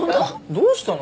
どうしたの？